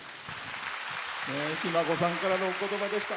ひ孫さんからのおことばでした。